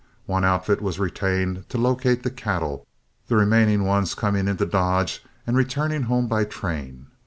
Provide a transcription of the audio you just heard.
One outfit was retained to locate the cattle, the remaining ones coming in to Dodge and returning home by train.